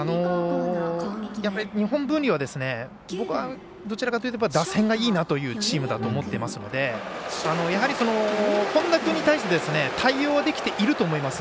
日本文理は僕はどちらかというと打線がいいなというチームだと思っていますのでやはり、本田君に対して対応ができていると思います。